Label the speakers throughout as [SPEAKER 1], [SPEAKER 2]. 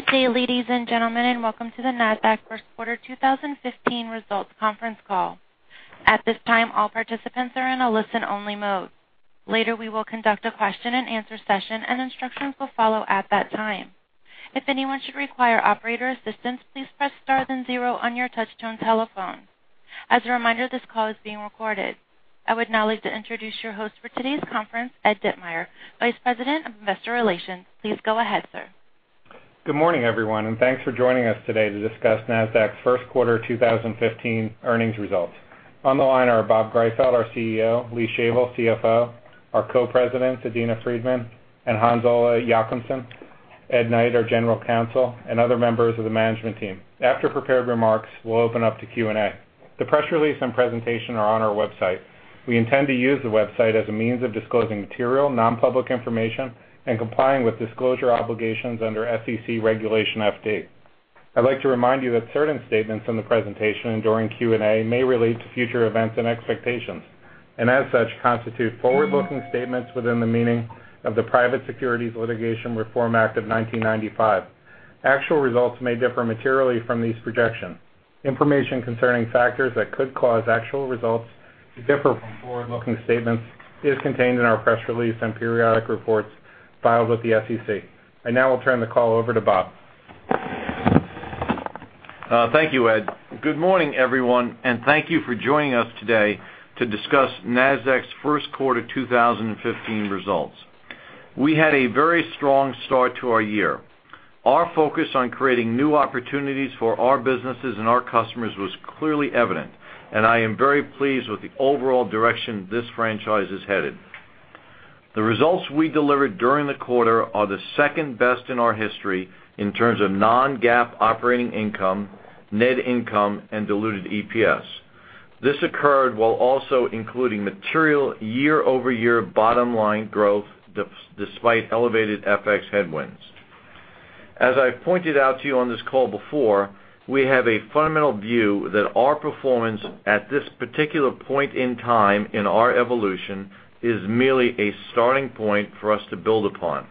[SPEAKER 1] Good day, ladies and gentlemen. Welcome to the Nasdaq first quarter 2015 results conference call. At this time, all participants are in a listen-only mode. Later, we will conduct a question-and-answer session. Instructions will follow at that time. If anyone should require operator assistance, please press star then zero on your touch-tone telephone. As a reminder, this call is being recorded. I would now like to introduce your host for today's conference, Ed Ditmire, Vice President of Investor Relations. Please go ahead, sir.
[SPEAKER 2] Good morning, everyone. Thanks for joining us today to discuss Nasdaq's first quarter 2015 earnings results. On the line are Bob Greifeld, our CEO, Lee Shavel, CFO, our Co-Presidents, Adena Friedman and Hans-Ole Jochumsen, Ed Knight, our General Counsel, and other members of the management team. After prepared remarks, we'll open up to Q&A. The press release and presentation are on our website. We intend to use the website as a means of disclosing material, non-public information and complying with disclosure obligations under SEC Regulation FD. I'd like to remind you that certain statements in the presentation and during Q&A may relate to future events and expectations, and as such, constitute forward-looking statements within the meaning of the Private Securities Litigation Reform Act of 1995. Actual results may differ materially from these projections. Information concerning factors that could cause actual results to differ from forward-looking statements is contained in our press release and periodic reports filed with the SEC. I now will turn the call over to Bob.
[SPEAKER 3] Thank you, Ed. Good morning, everyone. Thank you for joining us today to discuss Nasdaq's first quarter 2015 results. We had a very strong start to our year. Our focus on creating new opportunities for our businesses and our customers was clearly evident. I am very pleased with the overall direction this franchise is headed. The results we delivered during the quarter are the second best in our history in terms of non-GAAP operating income, net income and diluted EPS. This occurred while also including material year-over-year bottom-line growth despite elevated FX headwinds. As I pointed out to you on this call before, we have a fundamental view that our performance at this particular point in time in our evolution is merely a starting point for us to build upon.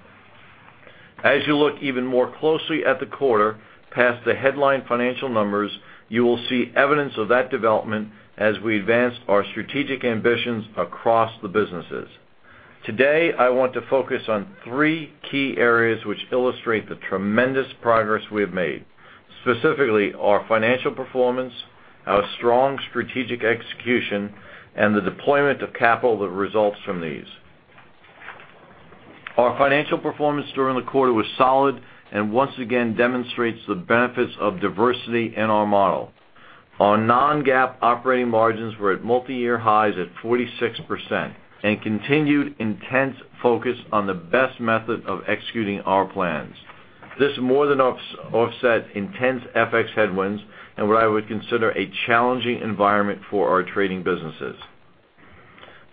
[SPEAKER 3] As you look even more closely at the quarter, past the headline financial numbers, you will see evidence of that development as we advanced our strategic ambitions across the businesses. Today, I want to focus on three key areas which illustrate the tremendous progress we have made, specifically our financial performance, our strong strategic execution, and the deployment of capital that results from these. Our financial performance during the quarter was solid and once again demonstrates the benefits of diversity in our model. Our non-GAAP operating margins were at multiyear highs at 46% and continued intense focus on the best method of executing our plans. This more than offset intense FX headwinds and what I would consider a challenging environment for our trading businesses.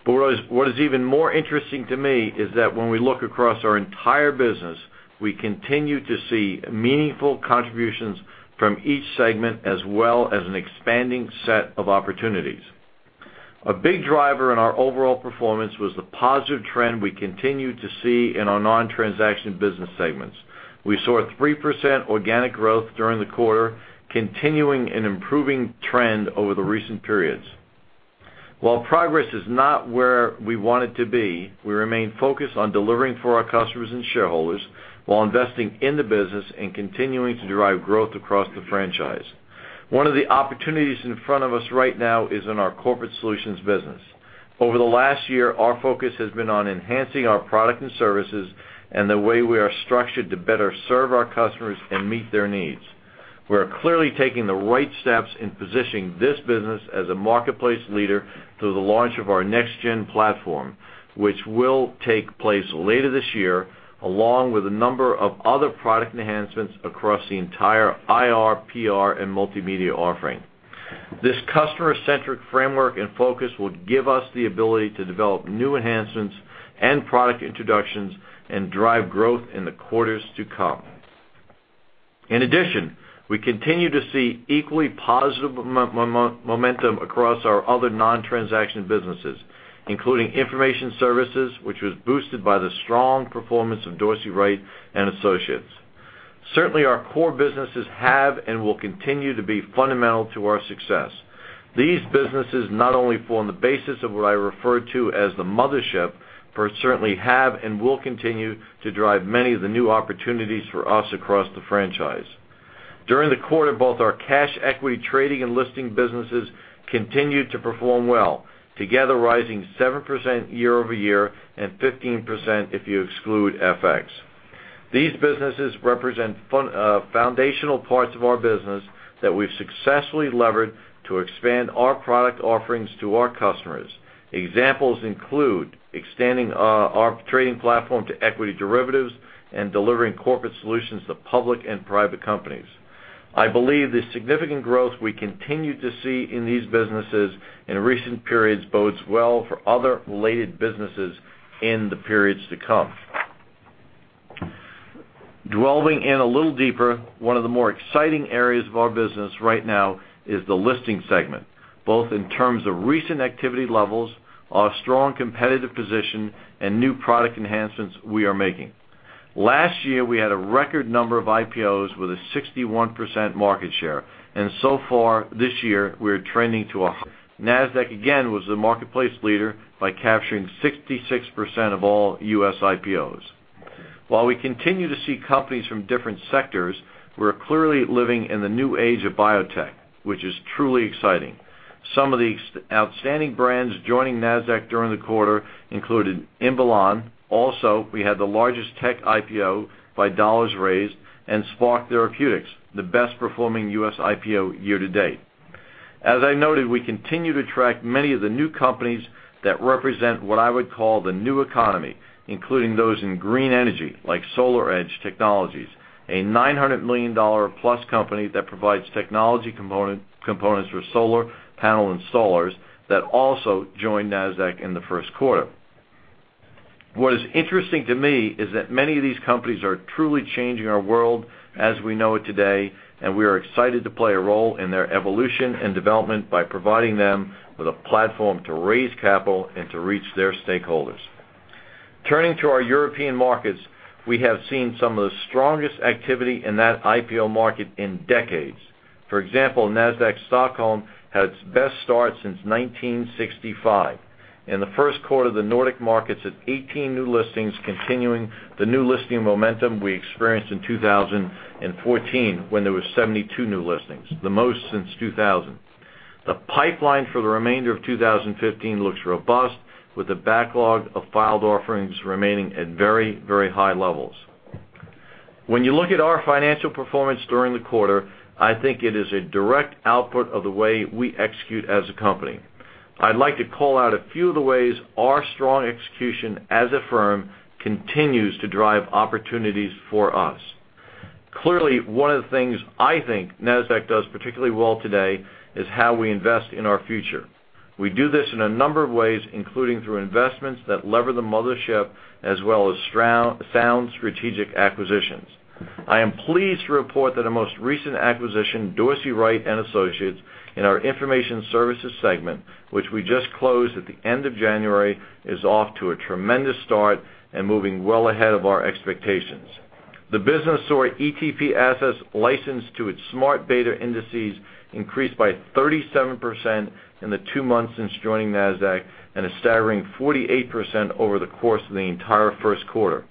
[SPEAKER 3] What is even more interesting to me is that when we look across our entire business, we continue to see meaningful contributions from each segment, as well as an expanding set of opportunities. A big driver in our overall performance was the positive trend we continue to see in our non-transaction business segments. We saw 3% organic growth during the quarter, continuing an improving trend over the recent periods. While progress is not where we want it to be, we remain focused on delivering for our customers and shareholders while investing in the business and continuing to drive growth across the franchise. One of the opportunities in front of us right now is in our corporate solutions business. Over the last year, our focus has been on enhancing our product and services and the way we are structured to better serve our customers and meet their needs. We are clearly taking the right steps in positioning this business as a marketplace leader through the launch of our NextGen platform, which will take place later this year, along with a number of other product enhancements across the entire IR, PR, and multimedia offering. This customer-centric framework and focus will give us the ability to develop new enhancements and product introductions and drive growth in the quarters to come. In addition, we continue to see equally positive momentum across our other non-transaction businesses, including information services, which was boosted by the strong performance of Dorsey, Wright & Associates. Certainly, our core businesses have and will continue to be fundamental to our success. These businesses not only form the basis of what I refer to as the mothership, but certainly have and will continue to drive many of the new opportunities for us across the franchise. During the quarter, both our cash equity trading and listing businesses continued to perform well, together rising 7% year-over-year and 15% if you exclude FX. These businesses represent foundational parts of our business that we've successfully levered to expand our product offerings to our customers. Examples include extending our trading platform to equity derivatives and delivering corporate solutions to public and private companies. I believe the significant growth we continue to see in these businesses in recent periods bodes well for other related businesses in the periods to come. Delving in a little deeper, one of the more exciting areas of our business right now is the listing segment, both in terms of recent activity levels, our strong competitive position, and new product enhancements we are making. Last year, we had a record number of IPOs with a 61% market share. So far this year, we are trending to a. Nasdaq, again, was the marketplace leader by capturing 66% of all U.S. IPOs. While we continue to see companies from different sectors, we're clearly living in the new age of biotech, which is truly exciting. Some of these outstanding brands joining Nasdaq during the quarter included [Imunon]. Also, we had the largest tech IPO by dollars raised and Spark Therapeutics, the best performing U.S. IPO year to date. As I noted, we continue to track many of the new companies that represent what I would call the new economy, including those in green energy like SolarEdge Technologies, a $900 million+ company that provides technology components for solar panel installers that also joined Nasdaq in the first quarter. What is interesting to me is that many of these companies are truly changing our world as we know it today. We are excited to play a role in their evolution and development by providing them with a platform to raise capital and to reach their stakeholders. Turning to our European markets, we have seen some of the strongest activity in that IPO market in decades. For example, Nasdaq Stockholm had its best start since 1965. In the first quarter of the Nordic markets had 18 new listings, continuing the new listing momentum we experienced in 2014, when there were 72 new listings, the most since 2000. The pipeline for the remainder of 2015 looks robust, with a backlog of filed offerings remaining at very high levels. When you look at our financial performance during the quarter, I think it is a direct output of the way we execute as a company. I'd like to call out a few of the ways our strong execution as a firm continues to drive opportunities for us. One of the things I think Nasdaq does particularly well today is how we invest in our future. We do this in a number of ways, including through investments that lever the mothership as well as sound strategic acquisitions. I am pleased to report that our most recent acquisition, Dorsey, Wright & Associates, in our information services segment, which we just closed at the end of January, is off to a tremendous start and moving well ahead of our expectations. The business saw ETP assets licensed to its smart beta indices increase by 37% in the two months since joining Nasdaq and a staggering 48% over the course of the entire first quarter,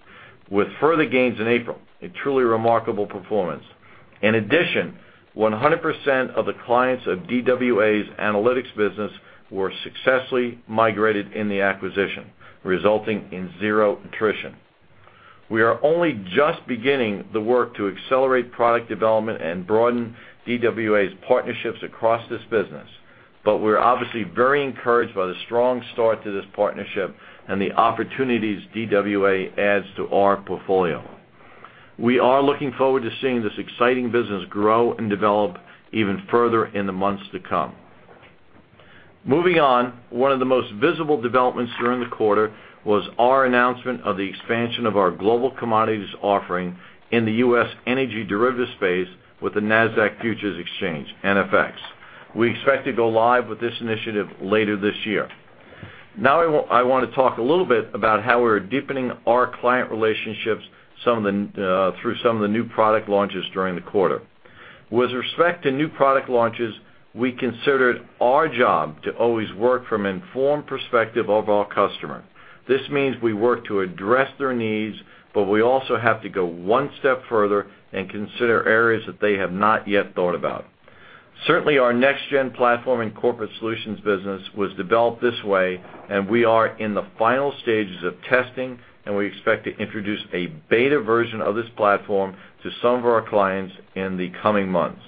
[SPEAKER 3] with further gains in April, a truly remarkable performance. In addition, 100% of the clients of DWA's analytics business were successfully migrated in the acquisition, resulting in zero attrition. We are only just beginning the work to accelerate product development and broaden DWA's partnerships across this business. We're obviously very encouraged by the strong start to this partnership and the opportunities DWA adds to our portfolio. We are looking forward to seeing this exciting business grow and develop even further in the months to come. Moving on, one of the most visible developments during the quarter was our announcement of the expansion of our global commodities offering in the U.S. energy derivatives space with the Nasdaq Futures Exchange, NFX. We expect to go live with this initiative later this year. I want to talk a little bit about how we're deepening our client relationships through some of the new product launches during the quarter. With respect to new product launches, we consider it our job to always work from an informed perspective of our customer. This means we work to address their needs, but we also have to go one step further and consider areas that they have not yet thought about. Certainly, our NextGen platform and corporate solutions business was developed this way. We are in the final stages of testing. We expect to introduce a beta version of this platform to some of our clients in the coming months.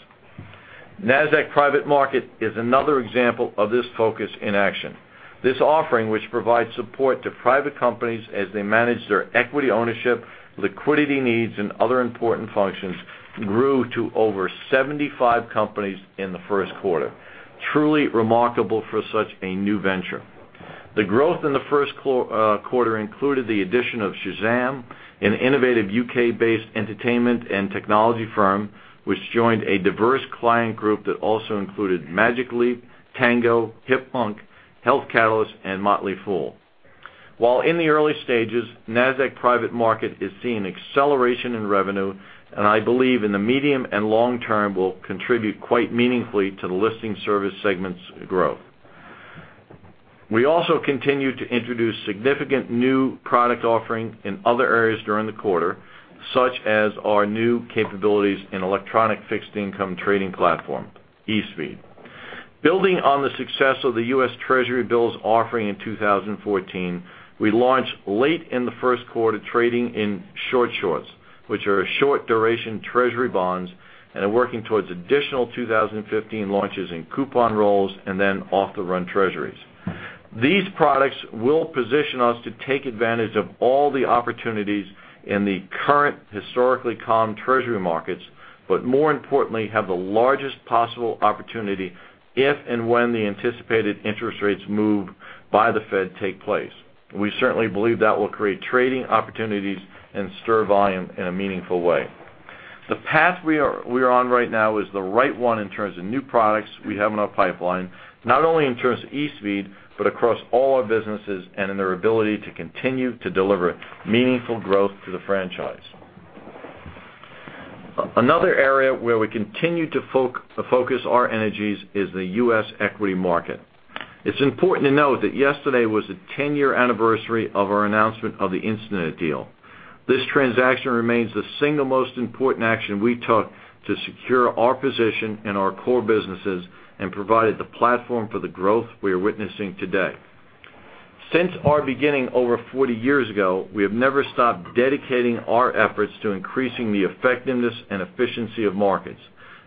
[SPEAKER 3] Nasdaq Private Market is another example of this focus in action. This offering, which provides support to private companies as they manage their equity ownership, liquidity needs, and other important functions, grew to over 75 companies in the first quarter. Truly remarkable for such a new venture. The growth in the first quarter included the addition of Shazam, an innovative U.K.-based entertainment and technology firm, which joined a diverse client group that also included Magic Leap, Tango, Hipmunk, Health Catalyst, and The Motley Fool. While in the early stages, Nasdaq Private Market is seeing acceleration in revenue. I believe in the medium and long term will contribute quite meaningfully to the listing service segment's growth. We also continue to introduce significant new product offering in other areas during the quarter, such as our new capabilities in electronic fixed income trading platform, eSpeed. Building on the success of the U.S. Treasury bills offering in 2014, we launched late in the first quarter trading in short shorts, which are a short duration Treasury bonds. We are working towards additional 2015 launches in coupon rolls and off-the-run Treasuries. These products will position us to take advantage of all the opportunities in the current historically calm Treasury markets, more importantly, have the largest possible opportunity if and when the anticipated interest rates move by the Fed take place. We certainly believe that will create trading opportunities and stir volume in a meaningful way. The path we are on right now is the right one in terms of new products we have in our pipeline, not only in terms of eSpeed, across all our businesses and in their ability to continue to deliver meaningful growth to the franchise. Another area where we continue to focus our energies is the U.S. equity market. It's important to note that yesterday was the 10-year anniversary of our announcement of the Instinet deal. This transaction remains the single most important action we took to secure our position in our core businesses and provided the platform for the growth we are witnessing today. Since our beginning over 40 years ago, we have never stopped dedicating our efforts to increasing the effectiveness and efficiency of markets.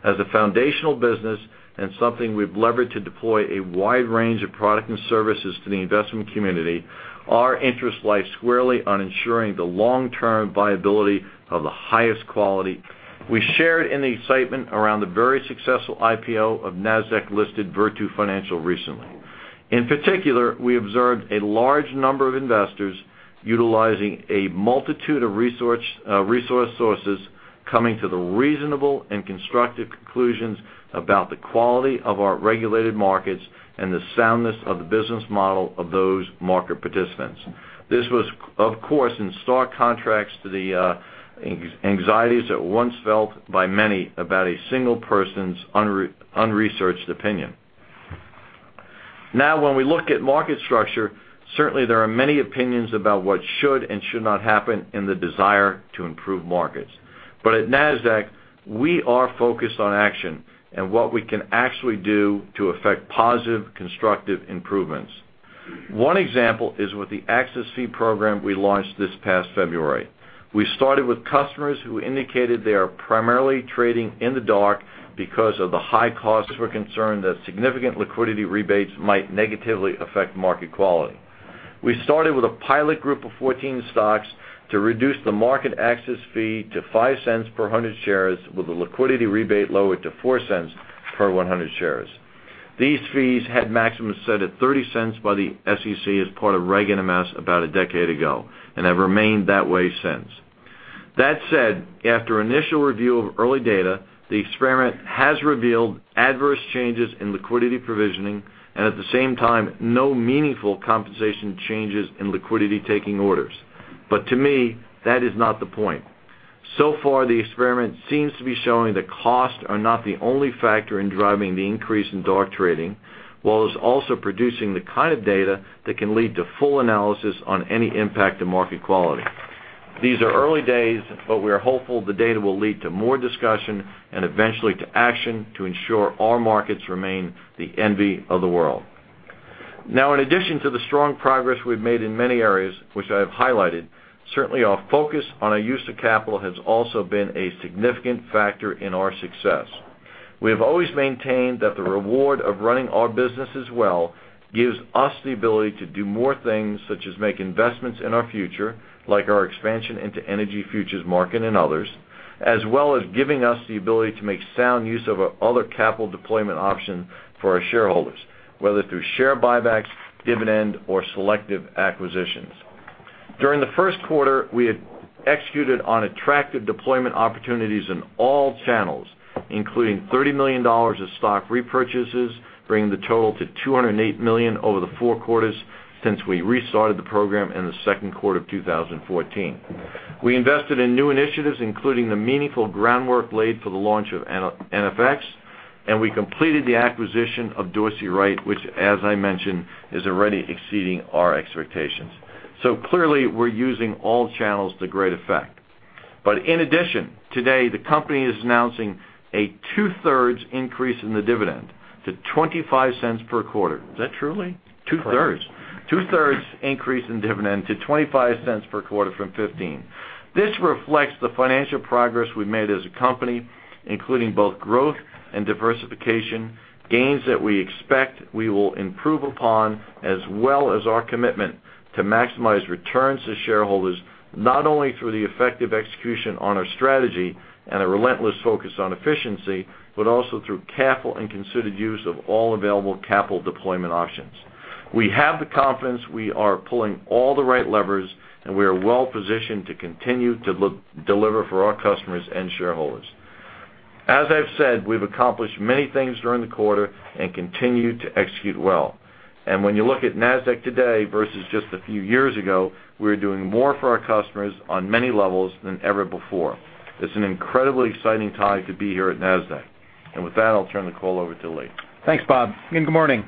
[SPEAKER 3] As a foundational business and something we've leveraged to deploy a wide range of products and services to the investment community, our interest lies squarely on ensuring the long-term viability of the highest quality. We shared in the excitement around the very successful IPO of Nasdaq-listed Virtu Financial recently. In particular, we observed a large number of investors utilizing a multitude of resources, coming to the reasonable and constructive conclusions about the quality of our regulated markets and the soundness of the business model of those market participants. This was, of course, in stark contrast to the anxieties that were once felt by many about a single person's unresearched opinion. When we look at market structure, certainly there are many opinions about what should and should not happen and the desire to improve markets. At Nasdaq, we are focused on action and what we can actually do to affect positive, constructive improvements. One example is with the access fee program we launched this past February. We started with customers who indicated they are primarily trading in the dark because of the high costs, were concerned that significant liquidity rebates might negatively affect market quality. We started with a pilot group of 14 stocks to reduce the market access fee to $0.05 per 100 shares, with the liquidity rebate lowered to $0.04 per 100 shares. These fees had maximums set at $0.30 by the SEC as part of Reg NMS about a decade ago and have remained that way since. That said, after initial review of early data, the experiment has revealed adverse changes in liquidity provisioning and, at the same time, no meaningful compensation changes in liquidity taking orders. To me, that is not the point. So far, the experiment seems to be showing that costs are not the only factor in driving the increase in dark trading, while it's also producing the kind of data that can lead to full analysis on any impact to market quality. These are early days, but we are hopeful the data will lead to more discussion and eventually to action to ensure our markets remain the envy of the world. In addition to the strong progress we've made in many areas, which I have highlighted, certainly our focus on our use of capital has also been a significant factor in our success. We have always maintained that the reward of running our businesses well gives us the ability to do more things, such as make investments in our future, like our expansion into energy futures market and others, as well as giving us the ability to make sound use of our other capital deployment options for our shareholders, whether through share buybacks, dividend, or selective acquisitions. During the first quarter, we had executed on attractive deployment opportunities in all channels, including $30 million of stock repurchases, bringing the total to $208 million over the four quarters since we restarted the program in the second quarter of 2014. We invested in new initiatives, including the meaningful groundwork laid for the launch of NFX, and we completed the acquisition of Dorsey Wright, which as I mentioned, is already exceeding our expectations. Clearly, we're using all channels to great effect. In addition, today the company is announcing a two-thirds increase in the dividend to $0.25 per quarter. Is that truly? Two-thirds. Two-thirds increase in dividend to $0.25 per quarter from $0.15. This reflects the financial progress we've made as a company, including both growth and diversification, gains that we expect we will improve upon, as well as our commitment to maximize returns to shareholders, not only through the effective execution on our strategy and a relentless focus on efficiency, but also through careful and considered use of all available capital deployment options. We have the confidence we are pulling all the right levers, and we are well positioned to continue to deliver for our customers and shareholders. As I've said, we've accomplished many things during the quarter and continue to execute well. When you look at Nasdaq today versus just a few years ago, we're doing more for our customers on many levels than ever before. It's an incredibly exciting time to be here at Nasdaq. With that, I'll turn the call over to Lee.
[SPEAKER 4] Thanks, Bob, and good morning.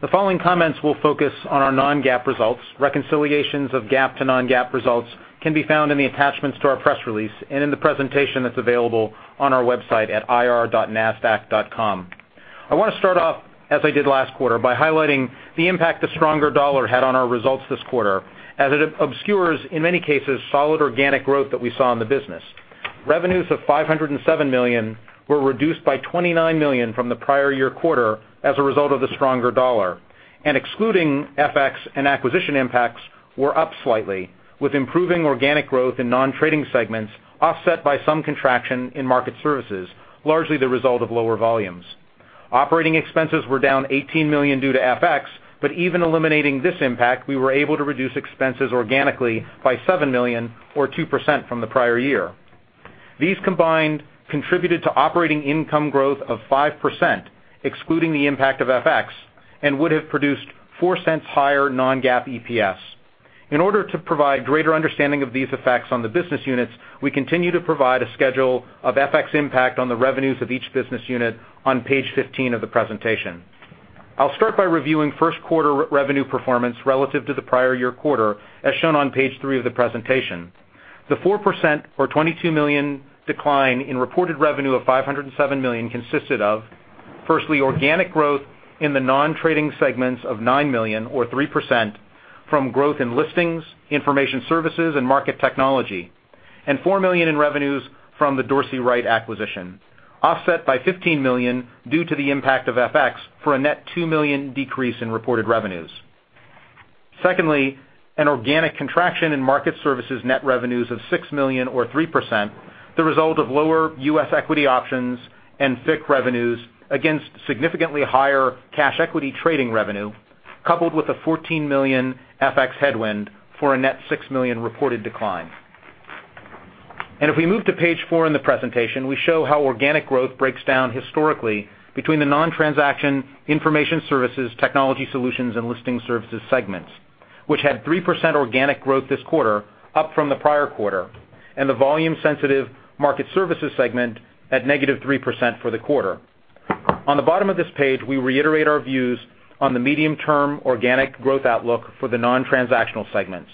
[SPEAKER 4] The following comments will focus on our non-GAAP results. Reconciliations of GAAP to non-GAAP results can be found in the attachments to our press release and in the presentation that's available on our website at ir.nasdaq.com. I want to start off, as I did last quarter, by highlighting the impact the stronger dollar had on our results this quarter, as it obscures, in many cases, solid organic growth that we saw in the business. Revenues of $507 million were reduced by $29 million from the prior year quarter as a result of the stronger dollar, and excluding FX and acquisition impacts, were up slightly, with improving organic growth in non-trading segments offset by some contraction in market services, largely the result of lower volumes. Operating expenses were down $18 million due to FX. Even eliminating this impact, we were able to reduce expenses organically by $7 million, or 2% from the prior year. These combined contributed to operating income growth of 5%, excluding the impact of FX, and would have produced $0.04 higher non-GAAP EPS. In order to provide greater understanding of these effects on the business units, we continue to provide a schedule of FX impact on the revenues of each business unit on page 15 of the presentation. I'll start by reviewing first quarter revenue performance relative to the prior year quarter, as shown on page three of the presentation. The 4%, or $22 million decline in reported revenue of $507 million consisted of, firstly, organic growth in the non-trading segments of $9 million or 3% from growth in listings, information services, and market technology, and $4 million in revenues from the Dorsey Wright acquisition, offset by $15 million due to the impact of FX for a net $2 million decrease in reported revenues. Secondly, an organic contraction in market services net revenues of $6 million or 3%, the result of lower U.S. equity options and FICC revenues against significantly higher cash equity trading revenue, coupled with a $14 million FX headwind for a net $6 million reported decline. If we move to page four in the presentation, we show how organic growth breaks down historically between the non-transaction information services, technology solutions, and listing services segments, which had 3% organic growth this quarter, up from the prior quarter, and the volume-sensitive market services segment at negative 3% for the quarter. On the bottom of this page, we reiterate our views on the medium-term organic growth outlook for the non-transactional segments.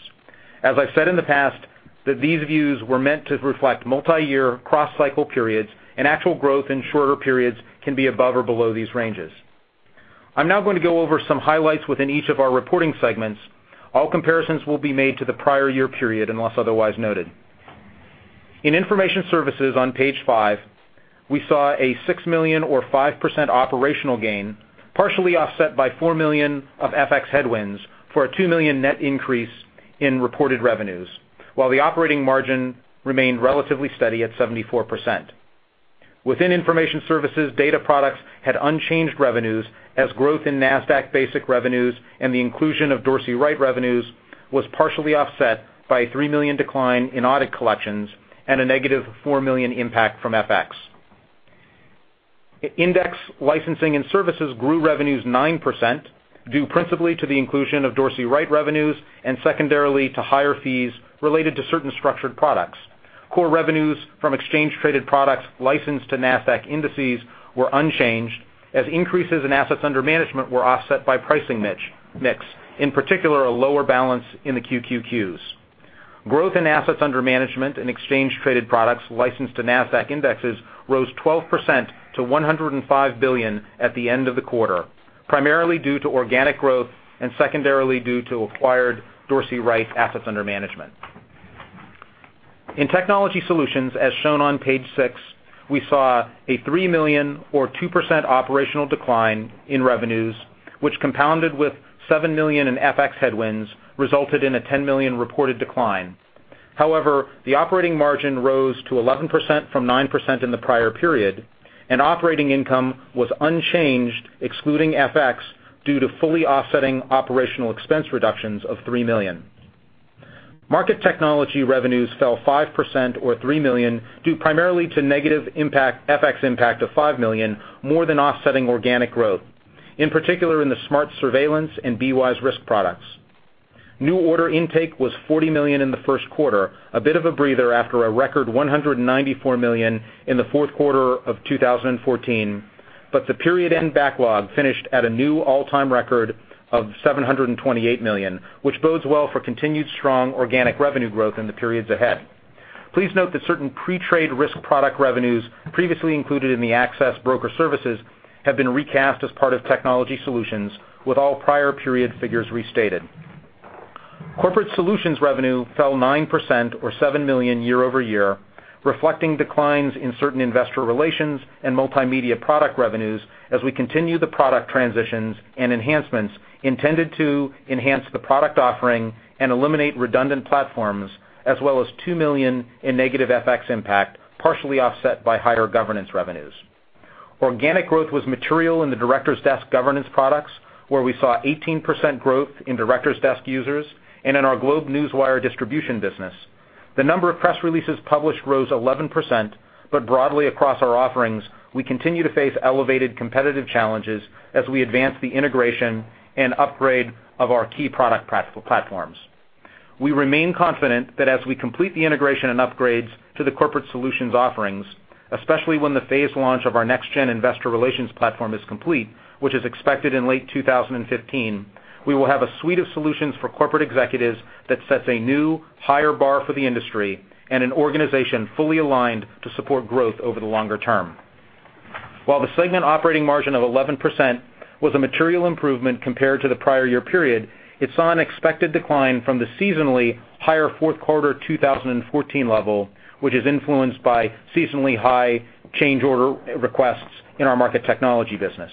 [SPEAKER 4] As I've said in the past, that these views were meant to reflect multi-year cross-cycle periods, and actual growth in shorter periods can be above or below these ranges. I'm now going to go over some highlights within each of our reporting segments. All comparisons will be made to the prior year period, unless otherwise noted. In information services on page five, we saw a $6 million or 5% operational gain, partially offset by $4 million of FX headwinds for a $2 million net increase in reported revenues, while the operating margin remained relatively steady at 74%. Within information services, data products had unchanged revenues as growth in Nasdaq Basic revenues and the inclusion of Dorsey Wright revenues was partially offset by a $3 million decline in audit collections and a negative $4 million impact from FX. Index licensing and services grew revenues 9%, due principally to the inclusion of Dorsey Wright revenues and secondarily to higher fees related to certain structured products. Core revenues from exchange traded products licensed to Nasdaq indices were unchanged as increases in assets under management were offset by pricing mix, in particular, a lower balance in the QQQ. Growth in assets under management and exchange traded products licensed to Nasdaq indices rose 12% to $105 billion at the end of the quarter, primarily due to organic growth and secondarily due to acquired Dorsey Wright assets under management. In technology solutions, as shown on page six, we saw a $3 million or 2% operational decline in revenues, which compounded with $7 million in FX headwinds, resulted in a $10 million reported decline. However, the operating margin rose to 11% from 9% in the prior period, and operating income was unchanged, excluding FX, due to fully offsetting operational expense reductions of $3 million. Market technology revenues fell 5%, or $3 million, due primarily to negative FX impact of $5 million, more than offsetting organic growth, in particular in the SMARTS Surveillance and BWise Risk Management products. New order intake was $40 million in the first quarter, a bit of a breather after a record $194 million in the fourth quarter of 2014. The period end backlog finished at a new all-time record of $728 million, which bodes well for continued strong organic revenue growth in the periods ahead. Please note that certain pre-trade risk product revenues previously included in the access broker services have been recast as part of technology solutions, with all prior period figures restated. Corporate Solutions revenue fell 9%, or $7 million year-over-year, reflecting declines in certain investor relations and multimedia product revenues as we continue the product transitions and enhancements intended to enhance the product offering and eliminate redundant platforms, as well as $2 million in negative FX impact, partially offset by higher governance revenues. Organic growth was material in the Directors Desk governance products, where we saw 18% growth in Directors Desk users and in our GlobeNewswire distribution business. The number of press releases published rose 11%, broadly across our offerings, we continue to face elevated competitive challenges as we advance the integration and upgrade of our key product platforms. We remain confident that as we complete the integration and upgrades to the Corporate Solutions offerings, especially when the phase launch of our NextGen investor relations platform is complete, which is expected in late 2015, we will have a suite of solutions for corporate executives that sets a new, higher bar for the industry and an organization fully aligned to support growth over the longer term. While the segment operating margin of 11% was a material improvement compared to the prior year period, it saw an expected decline from the seasonally higher fourth quarter 2014 level, which is influenced by seasonally high change order requests in our market technology business.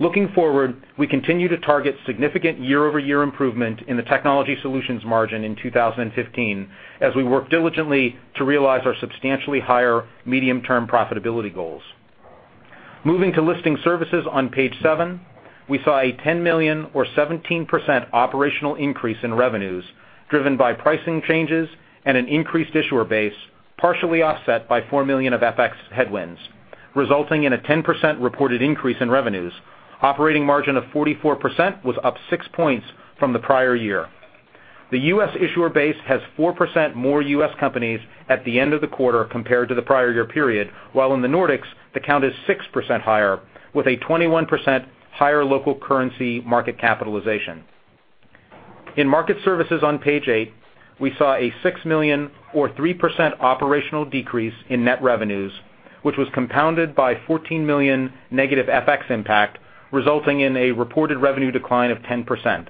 [SPEAKER 4] Looking forward, we continue to target significant year-over-year improvement in the Technology Solutions margin in 2015 as we work diligently to realize our substantially higher medium-term profitability goals. Moving to Listing Services on page seven, we saw a $10 million or 17% operational increase in revenues driven by pricing changes and an increased issuer base, partially offset by $4 million of FX headwinds, resulting in a 10% reported increase in revenues. Operating margin of 44% was up six points from the prior year. The U.S. issuer base has 4% more U.S. companies at the end of the quarter compared to the prior year period, while in the Nordics, the count is 6% higher with a 21% higher local currency market capitalization. In Market Services on page eight, we saw a $6 million or 3% operational decrease in net revenues, which was compounded by $14 million negative FX impact, resulting in a reported revenue decline of 10%.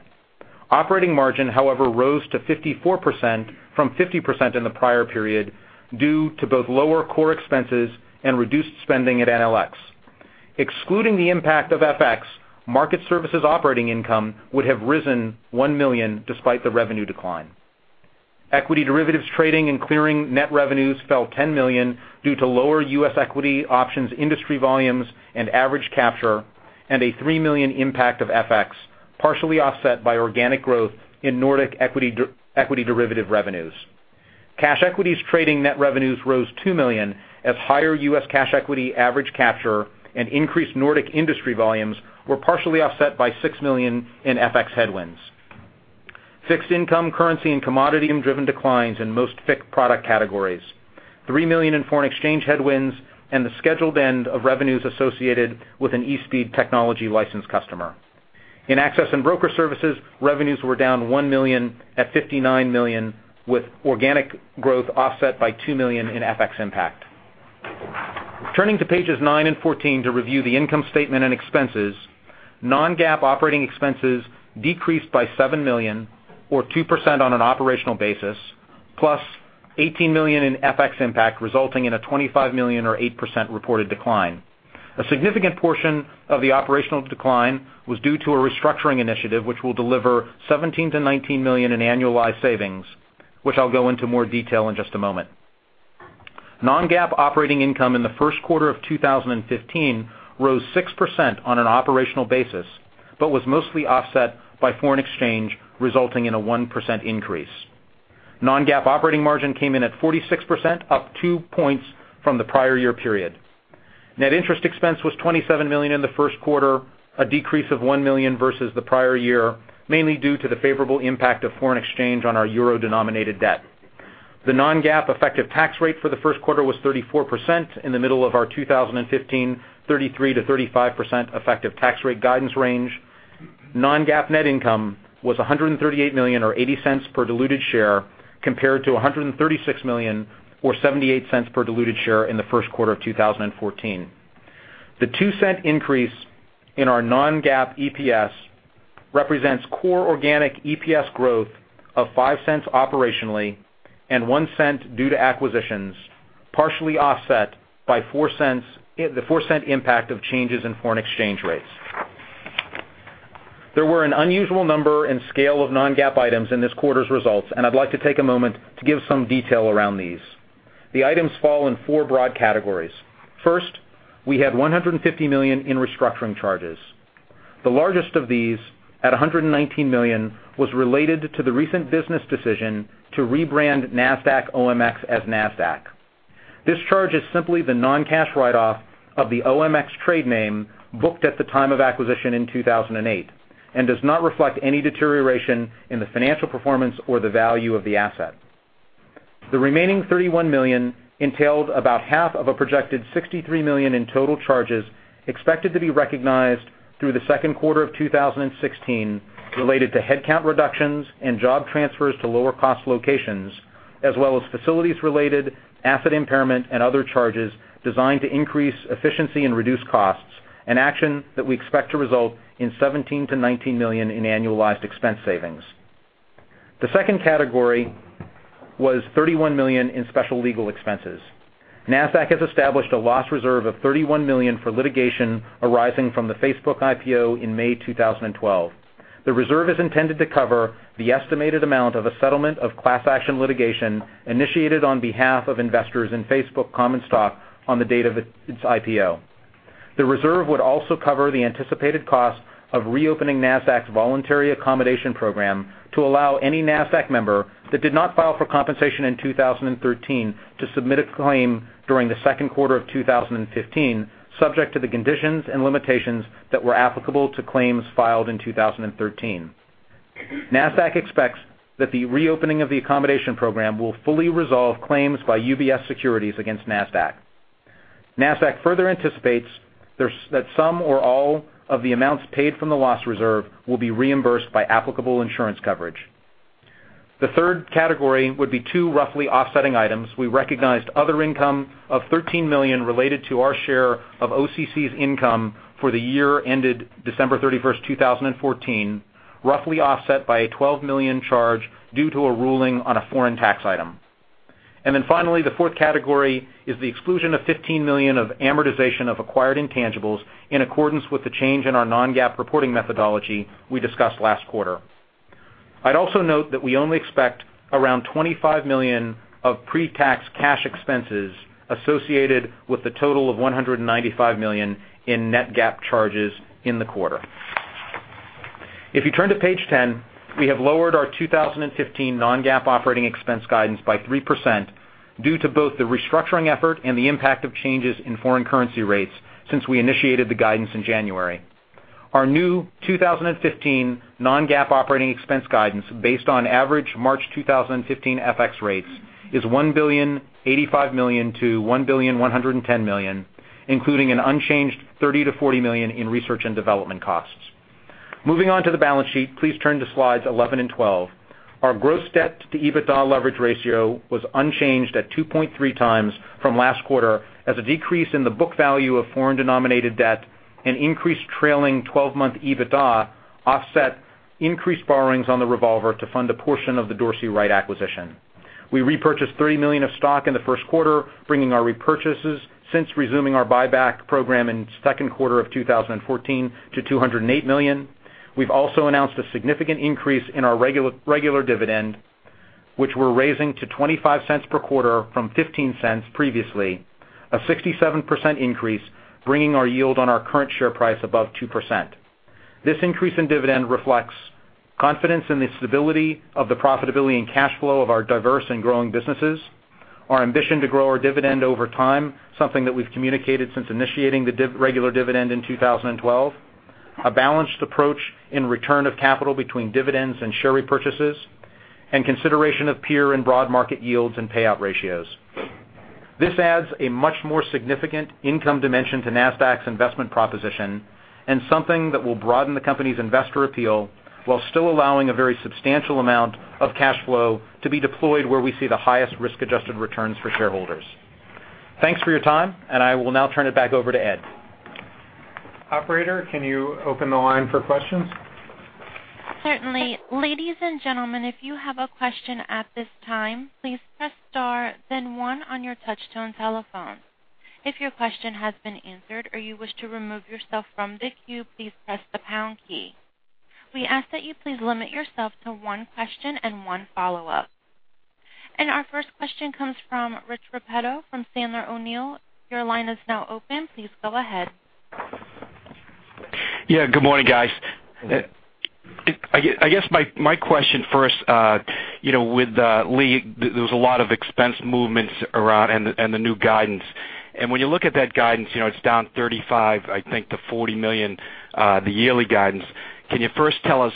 [SPEAKER 4] Operating margin, however, rose to 54% from 50% in the prior period due to both lower core expenses and reduced spending at NLX. Excluding the impact of FX, Market Services operating income would have risen $1 million despite the revenue decline. Equity derivatives trading and clearing net revenues fell $10 million due to lower U.S. equity options industry volumes and average capture, and a $3 million impact of FX, partially offset by organic growth in Nordic equity derivative revenues. Cash equities trading net revenues rose $2 million as higher U.S. cash equity average capture and increased Nordic industry volumes were partially offset by $6 million in FX headwinds. Fixed income currency and commodity and driven declines in most FICC product categories, $3 million in foreign exchange headwinds, and the scheduled end of revenues associated with an eSpeed technology license customer. In access and broker services, revenues were down $1 million at $59 million, with organic growth offset by $2 million in FX impact. Turning to pages nine and 14 to review the income statement and expenses, non-GAAP operating expenses decreased by $7 million or 2% on an operational basis, plus $18 million in FX impact, resulting in a $25 million or 8% reported decline. A significant portion of the operational decline was due to a restructuring initiative, which will deliver $17 million-$19 million in annualized savings, which I'll go into more detail in just a moment. Non-GAAP operating income in the first quarter of 2015 rose 6% on an operational basis, but was mostly offset by foreign exchange, resulting in a 1% increase. Non-GAAP operating margin came in at 46%, up two points from the prior year period. Net interest expense was $27 million in the first quarter, a decrease of $1 million versus the prior year, mainly due to the favorable impact of foreign exchange on our euro-denominated debt. The non-GAAP effective tax rate for the first quarter was 34% in the middle of our 2015 33%-35% effective tax rate guidance range. Non-GAAP net income was $138 million or $0.80 per diluted share, compared to $136 million or $0.78 per diluted share in the first quarter of 2014. The $0.02 increase in our non-GAAP EPS represents core organic EPS growth of $0.05 operationally and $0.01 due to acquisitions, partially offset by the $0.04 impact of changes in foreign exchange rates. There were an unusual number and scale of non-GAAP items in this quarter's results, and I'd like to take a moment to give some detail around these. The items fall in 4 broad categories. First, we had $150 million in restructuring charges. The largest of these, at $119 million, was related to the recent business decision to rebrand Nasdaq OMX as Nasdaq. This charge is simply the non-cash write-off of the OMX trade name booked at the time of acquisition in 2008 and does not reflect any deterioration in the financial performance or the value of the asset. The remaining $31 million entailed about half of a projected $63 million in total charges expected to be recognized through the second quarter of 2016, related to headcount reductions and job transfers to lower cost locations, as well as facilities related asset impairment and other charges designed to increase efficiency and reduce costs, an action that we expect to result in $17 million-$19 million in annualized expense savings. The 2nd category was $31 million in special legal expenses. Nasdaq has established a loss reserve of $31 million for litigation arising from the Facebook IPO in May 2012. The reserve is intended to cover the estimated amount of a settlement of class action litigation initiated on behalf of investors in Facebook common stock on the date of its IPO. The reserve would also cover the anticipated cost of reopening Nasdaq's voluntary accommodation program to allow any Nasdaq member that did not file for compensation in 2013 to submit a claim during the second quarter of 2015, subject to the conditions and limitations that were applicable to claims filed in 2013. Nasdaq expects that the reopening of the accommodation program will fully resolve claims by UBS Securities against Nasdaq. Nasdaq further anticipates that some or all of the amounts paid from the loss reserve will be reimbursed by applicable insurance coverage. The third category would be 2 roughly offsetting items. We recognized other income of $13 million related to our share of OCC's income for the year ended December 31st, 2014, roughly offset by a $12 million charge due to a ruling on a foreign tax item. Finally, the fourth category is the exclusion of $15 million of amortization of acquired intangibles in accordance with the change in our non-GAAP reporting methodology we discussed last quarter. I'd also note that we only expect around $25 million of pre-tax cash expenses associated with the total of $195 million in net GAAP charges in the quarter. If you turn to page 10, we have lowered our 2015 non-GAAP operating expense guidance by 3% due to both the restructuring effort and the impact of changes in foreign currency rates since we initiated the guidance in January. Our new 2015 non-GAAP operating expense guidance, based on average March 2015 FX rates, is $1,085,000,000-$1,110,000,000, including an unchanged $30 million-$40 million in research and development costs. Moving on to the balance sheet, please turn to slides 11 and 12. Our gross debt to EBITDA leverage ratio was unchanged at 2.3 times from last quarter as a decrease in the book value of foreign-denominated debt and increased trailing 12-month EBITDA offset increased borrowings on the revolver to fund a portion of the Dorsey Wright acquisition. We repurchased $30 million of stock in the first quarter, bringing our repurchases since resuming our buyback program in the second quarter of 2014 to $208 million. We've also announced a significant increase in our regular dividend, which we're raising to $0.25 per quarter from $0.15 previously. A 67% increase, bringing our yield on our current share price above 2%. This increase in dividend reflects confidence in the stability of the profitability and cash flow of our diverse and growing businesses, our ambition to grow our dividend over time, something that we've communicated since initiating the regular dividend in 2012, a balanced approach in return of capital between dividends and share repurchases, consideration of peer and broad market yields and payout ratios. This adds a much more significant income dimension to Nasdaq's investment proposition and something that will broaden the company's investor appeal while still allowing a very substantial amount of cash flow to be deployed where we see the highest risk-adjusted returns for shareholders. Thanks for your time, I will now turn it back over to Ed.
[SPEAKER 2] Operator, can you open the line for questions?
[SPEAKER 1] Certainly. Ladies and gentlemen, if you have a question at this time, please press star then one on your touch-tone telephone. If your question has been answered or you wish to remove yourself from the queue, please press the pound key. We ask that you please limit yourself to one question and one follow-up. Our first question comes from Richard Repetto from Sandler O'Neill. Your line is now open. Please go ahead.
[SPEAKER 5] Yeah. Good morning, guys. I guess my question first, with Lee, there was a lot of expense movements around and the new guidance. When you look at that guidance, it's down $35 million, I think, to $40 million, the yearly guidance. Can you first tell us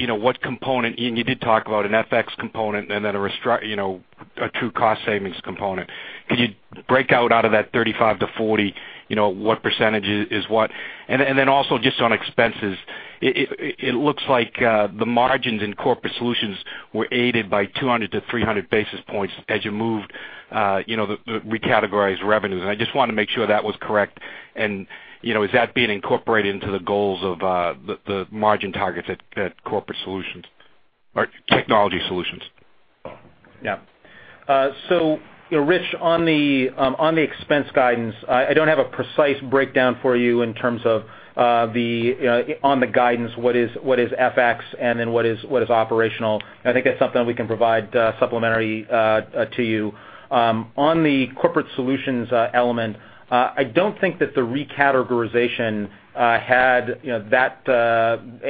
[SPEAKER 5] what component, you did talk about an FX component and then a true cost savings component. Could you break out of that 35-40, what percentage is what? On expenses, it looks like the margins in Corporate Solutions were aided by 200-300 basis points as you moved the recategorized revenues. I just want to make sure that was correct, and is that being incorporated into the goals of the margin targets at Corporate Solutions or Technology Solutions?
[SPEAKER 4] Yeah. Rich, on the expense guidance, I don't have a precise breakdown for you in terms of on the guidance, what is FX and then what is operational. I think that's something we can provide supplementary to you. On the Corporate Solutions element, I don't think that the recategorization had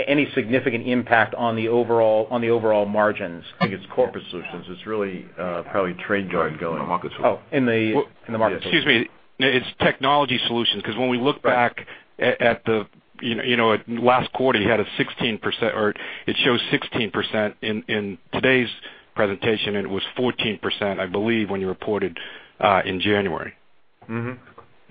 [SPEAKER 4] any significant impact on the overall margins.
[SPEAKER 2] I think it's Corporate Solutions. It's really probably TradeGuard going.
[SPEAKER 5] In the Market Solutions.
[SPEAKER 2] Excuse me. It's Technology Solutions, when we look back at last quarter, it shows 16% in today's presentation, it was 14%, I believe, when you reported in January.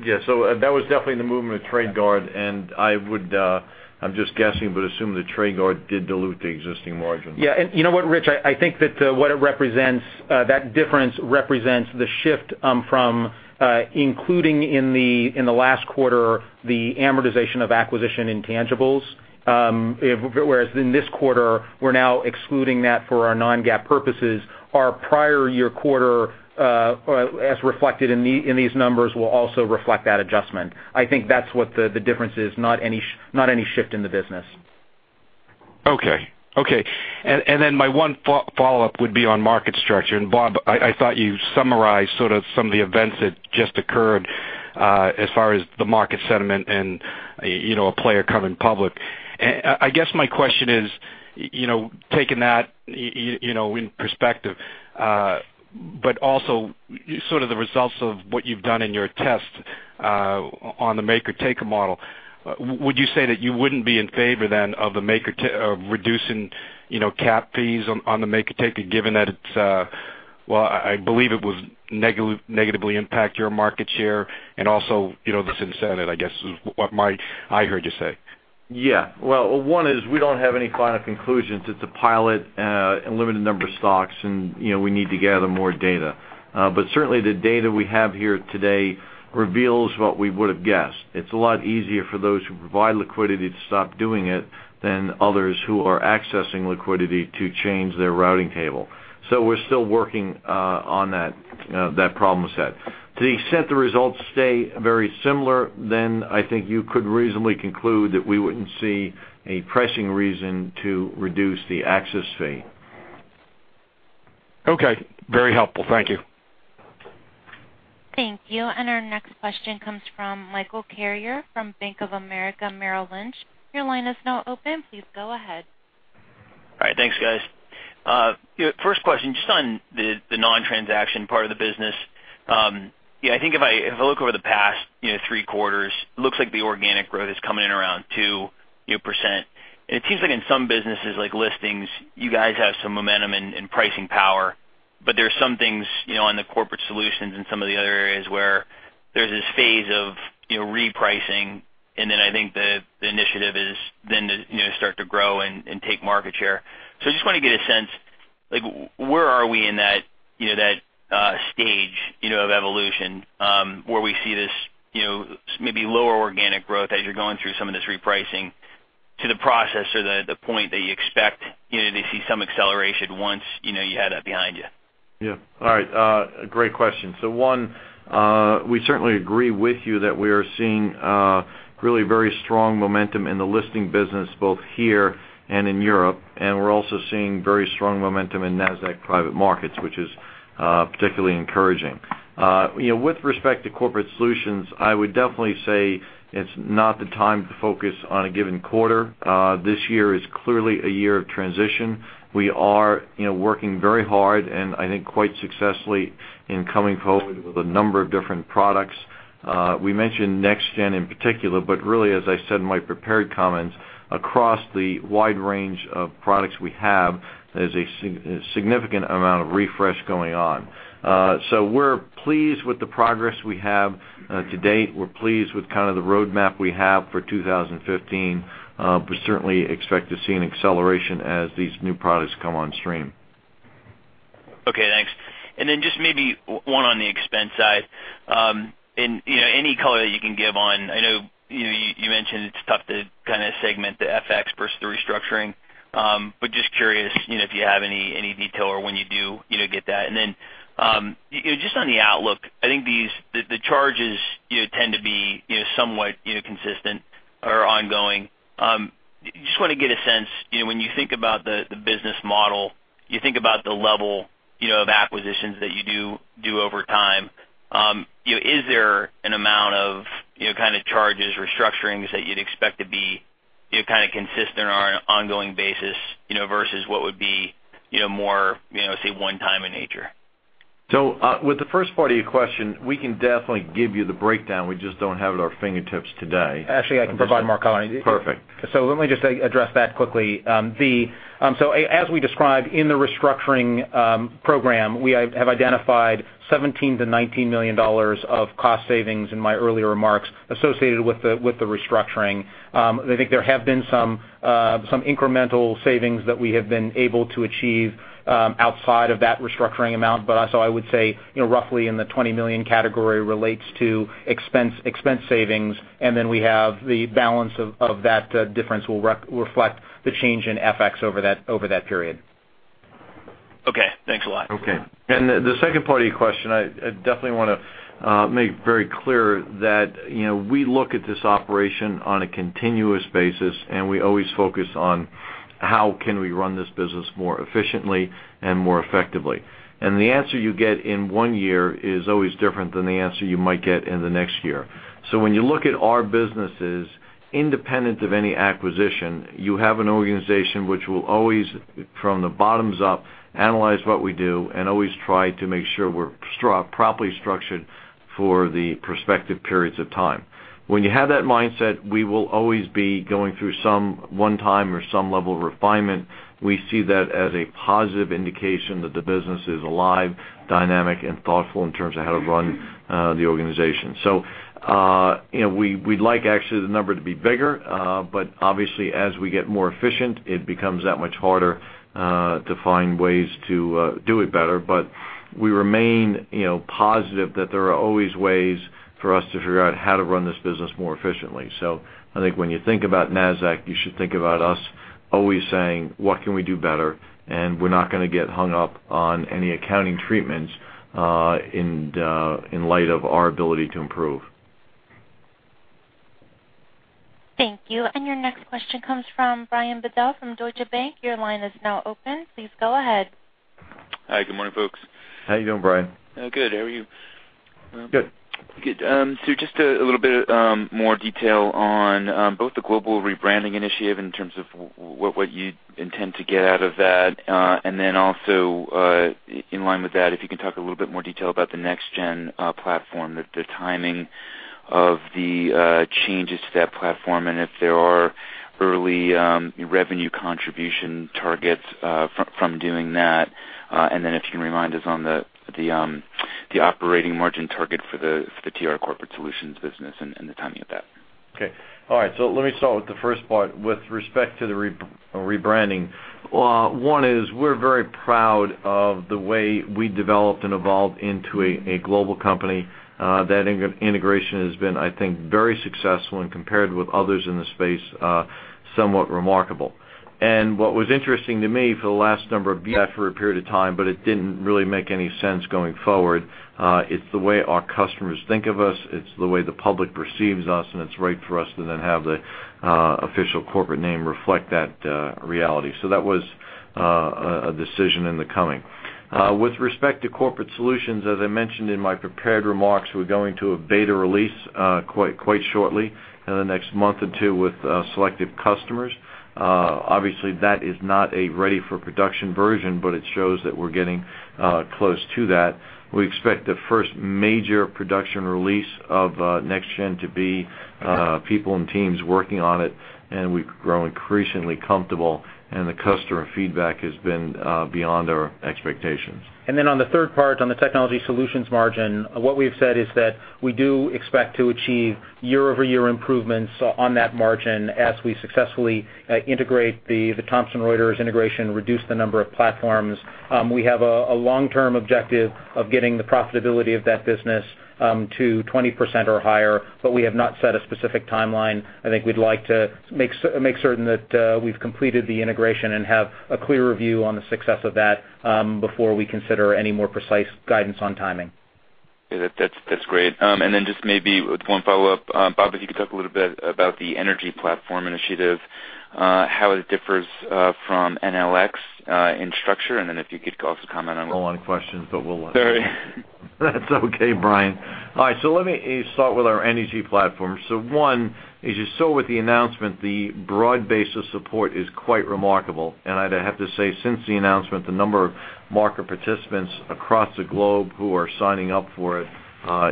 [SPEAKER 2] That was definitely the movement of TradeGuard, I'm just guessing, assume the TradeGuard did dilute the existing margin.
[SPEAKER 4] You know what, Rich? I think that what it represents, that difference represents the shift from including in the last quarter the amortization of acquisition intangibles. Whereas in this quarter, we're now excluding that for our non-GAAP purposes. Our prior year quarter, as reflected in these numbers, will also reflect that adjustment. I think that's what the difference is, not any shift in the business.
[SPEAKER 5] Okay. Then my one follow-up would be on market structure. Bob, I thought you summarized sort of some of the events that just occurred as far as the market sentiment and a player coming public. I guess my question is, taking that in perspective but also sort of the results of what you've done in your test on the maker-taker model, would you say that you wouldn't be in favor then of reducing cap fees on the maker-taker given that it's, well, I believe it would negatively impact your market share and also this incentive, I guess, is what I heard you say?
[SPEAKER 3] Yeah. Well, one is we don't have any final conclusions. It's a pilot, a limited number of stocks, and we need to gather more data. Certainly the data we have here today reveals what we would've guessed. It's a lot easier for those who provide liquidity to stop doing it than others who are accessing liquidity to change their routing table. We're still working on that problem set. To the extent the results stay very similar, then I think you could reasonably conclude that we wouldn't see a pressing reason to reduce the access fee.
[SPEAKER 5] Okay. Very helpful. Thank you.
[SPEAKER 1] Thank you. Our next question comes from Michael Carrier from Bank of America Merrill Lynch. Your line is now open. Please go ahead.
[SPEAKER 6] All right. Thanks, guys. First question, just on the non-transaction part of the business. I think if I look over the past three quarters, looks like the organic growth is coming in around 2%. It seems like in some businesses, like listings, you guys have some momentum and pricing power, but there's some things, on the corporate solutions and some of the other areas where there's this phase of repricing, then I think the initiative is then to start to grow and take market share. I just want to get a sense, where are we in that stage of evolution, where we see this maybe lower organic growth as you're going through some of this repricing to the process or the point that you expect to see some acceleration once you know you had that behind you?
[SPEAKER 3] Yeah. All right. Great question. One, we certainly agree with you that we are seeing really very strong momentum in the listing business, both here and in Europe, and we're also seeing very strong momentum in Nasdaq Private Market, which is particularly encouraging. With respect to corporate solutions, I would definitely say it's not the time to focus on a given quarter. This year is clearly a year of transition. We are working very hard, and I think quite successfully, in coming forward with a number of different products. We mentioned NextGen in particular, but really, as I said in my prepared comments, across the wide range of products we have, there's a significant amount of refresh going on. We're pleased with the progress we have to date. We're pleased with kind of the roadmap we have for 2015, certainly expect to see an acceleration as these new products come on stream.
[SPEAKER 6] Okay, thanks. Just maybe one on the expense side. Any color that you can give on, I know you mentioned it's tough to kind of segment the FX versus the restructuring. Just curious, if you have any detail or when you do get that. Just on the outlook, I think the charges tend to be somewhat inconsistent or ongoing. Just want to get a sense, when you think about the business model, you think about the level of acquisitions that you do over time. Is there an amount of charges, restructurings that you'd expect to be kind of consistent on an ongoing basis, versus what would be more, say, one time in nature?
[SPEAKER 3] With the first part of your question, we can definitely give you the breakdown. We just don't have it at our fingertips today.
[SPEAKER 4] Actually, I can provide more color.
[SPEAKER 3] Perfect.
[SPEAKER 4] Let me just address that quickly. As we described in the restructuring program, we have identified $17 million to $19 million of cost savings in my earlier remarks associated with the restructuring. I think there have been some incremental savings that we have been able to achieve outside of that restructuring amount, but also I would say, roughly in the $20 million category relates to expense savings. We have the balance of that difference will reflect the change in FX over that period.
[SPEAKER 6] Okay, thanks a lot.
[SPEAKER 3] Okay. The second part of your question, I definitely want to make very clear that we look at this operation on a continuous basis, and we always focus on how can we run this business more efficiently and more effectively. The answer you get in one year is always different than the answer you might get in the next year. When you look at our businesses, independent of any acquisition, you have an organization which will always, from the bottoms up, analyze what we do and always try to make sure we're properly structured for the prospective periods of time. When you have that mindset, we will always be going through some one-time or some level of refinement. We see that as a positive indication that the business is alive, dynamic, and thoughtful in terms of how to run the organization. We'd like actually the number to be bigger. Obviously as we get more efficient, it becomes that much harder to find ways to do it better. We remain positive that there are always ways for us to figure out how to run this business more efficiently. I think when you think about Nasdaq, you should think about us always saying, "What can we do better?" We're not going to get hung up on any accounting treatments in light of our ability to improve.
[SPEAKER 1] Thank you. Your next question comes from Brian Bedell from Deutsche Bank. Your line is now open. Please go ahead.
[SPEAKER 7] Hi. Good morning, folks.
[SPEAKER 3] How you doing, Brian?
[SPEAKER 7] Good. How are you?
[SPEAKER 3] Good.
[SPEAKER 7] Just a little bit more detail on both the global rebranding initiative in terms of what you intend to get out of that. Also, in line with that, if you can talk a little bit more detail about the NextGen platform, the timing of the changes to that platform, and if there are early revenue contribution targets from doing that. If you can remind us on the operating margin target for the TR Corporate Solutions business and the timing of that.
[SPEAKER 3] Okay. All right. Let me start with the first part. With respect to the rebranding, one is we're very proud of the way we developed and evolved into a global company. That integration has been, I think, very successful and, compared with others in the space, somewhat remarkable. What was interesting to me for the last number of years, that for a period of time, but it didn't really make any sense going forward. It's the way our customers think of us, it's the way the public perceives us, and it's right for us to then have the official corporate name reflect that reality. That was a decision in the coming. With respect to Corporate Solutions, as I mentioned in my prepared remarks, we're going to a beta release quite shortly in the next month or two with selective customers. Obviously, that is not a ready-for-production version, but it shows that we're getting close to that. We expect the first major production release of NextGen to be people and teams working on it, and we've grown increasingly comfortable, and the customer feedback has been beyond our expectations.
[SPEAKER 4] On the third part, on the technology solutions margin, what we've said is that we do expect to achieve year-over-year improvements on that margin as we successfully integrate the Thomson Reuters integration, reduce the number of platforms. We have a long-term objective of getting the profitability of that business to 20% or higher, but we have not set a specific timeline. I think we'd like to make certain that we've completed the integration and have a clearer view on the success of that before we consider any more precise guidance on timing.
[SPEAKER 7] Yeah, that's great. Just maybe one follow-up. Bob, if you could talk a little bit about the energy platform initiative, how it differs from NLX in structure, and then if you could also comment on-
[SPEAKER 3] A lot of questions.
[SPEAKER 7] Sorry.
[SPEAKER 3] That's okay, Brian. All right, let me start with our energy platform. One, as you saw with the announcement, the broad base of support is quite remarkable. I'd have to say since the announcement, the number of market participants across the globe who are signing up for it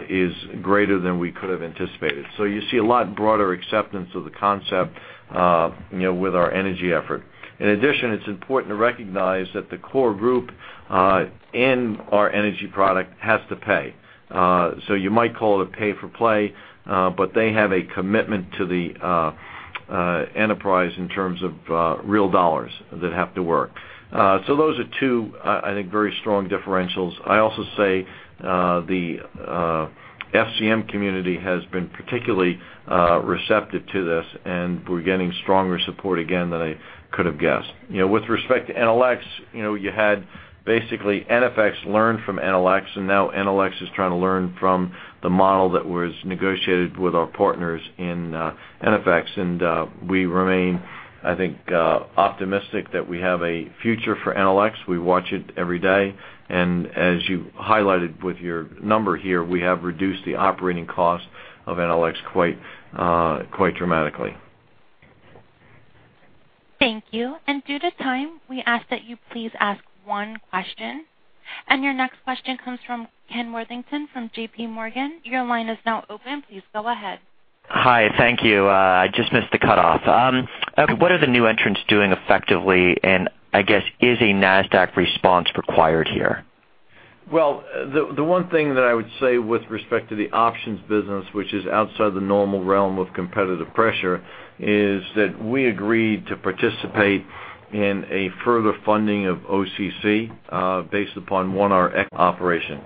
[SPEAKER 3] is greater than we could have anticipated. You see a lot broader acceptance of the concept with our energy effort. In addition, it's important to recognize that the core group in our energy product has to pay. You might call it pay for play, but they have a commitment to the enterprise in terms of real dollars that have to work. Those are two, I think, very strong differentials. I also say the FCM community has been particularly receptive to this, and we're getting stronger support again than I could have guessed. With respect to NLX, you had basically NFX learn from NLX, now NLX is trying to learn from the model that was negotiated with our partners in NFX. We remain, I think, optimistic that we have a future for NLX. We watch it every day. As you highlighted with your number here, we have reduced the operating cost of NLX quite dramatically.
[SPEAKER 1] Thank you. Due to time, we ask that you please ask one question. Your next question comes from Kenneth Worthington from JPMorgan. Your line is now open. Please go ahead.
[SPEAKER 8] Hi. Thank you. I just missed the cutoff. What are the new entrants doing effectively, and I guess is a Nasdaq response required here?
[SPEAKER 3] Well, the one thing that I would say with respect to the options business, which is outside the normal realm of competitive pressure, is that we agreed to participate in a further funding of OCC based upon, one, our operation.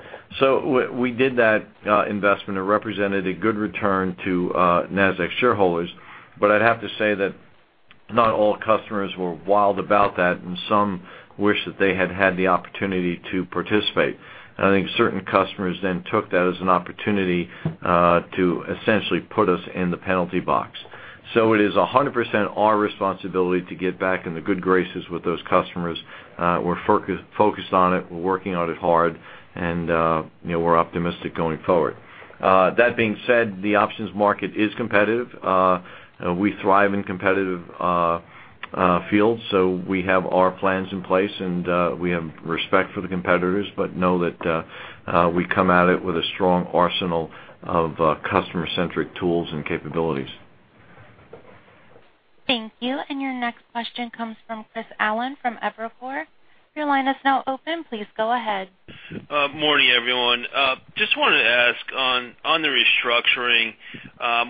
[SPEAKER 3] We did that investment. It represented a good return to Nasdaq shareholders. I'd have to say that not all customers were wild about that, and some wish that they had had the opportunity to participate. I think certain customers then took that as an opportunity to essentially put us in the penalty box. It is 100% our responsibility to get back in the good graces with those customers. We're focused on it, we're working on it hard, and we're optimistic going forward. That being said, the options market is competitive. We thrive in competitive fields, we have our plans in place, we have respect for the competitors, know that we come at it with a strong arsenal of customer-centric tools and capabilities.
[SPEAKER 1] Thank you. Your next question comes from Chris Allen from Evercore. Your line is now open. Please go ahead.
[SPEAKER 9] Morning, everyone. Just wanted to ask on the restructuring,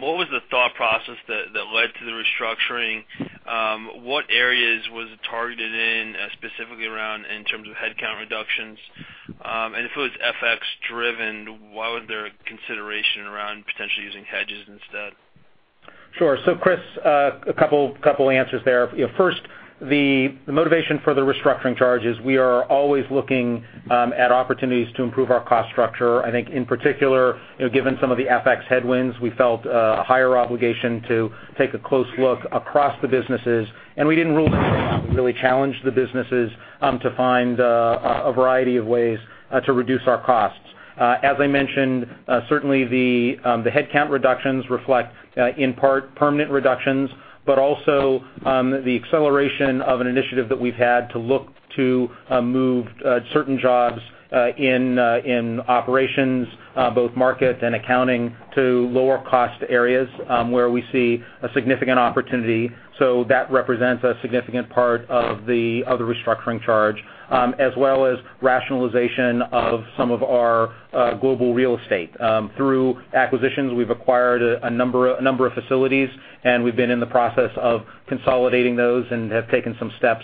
[SPEAKER 9] what was the thought process that led to the restructuring? What areas was it targeted in? head count reductions. If it was FX driven, why was there a consideration around potentially using hedges instead?
[SPEAKER 4] Sure. Chris, a couple answers there. First, the motivation for the restructuring charge is we are always looking at opportunities to improve our cost structure. I think, in particular, given some of the FX headwinds, we felt a higher obligation to take a close look across the businesses, and we didn't rule anything out. We really challenged the businesses to find a variety of ways to reduce our costs. As I mentioned, certainly the headcount reductions reflect, in part, permanent reductions, but also the acceleration of an initiative that we've had to look to move certain jobs in operations, both market and accounting, to lower cost areas where we see a significant opportunity. That represents a significant part of the other restructuring charge as well as rationalization of some of our global real estate. Through acquisitions, we've acquired a number of facilities, and we've been in the process of consolidating those and have taken some steps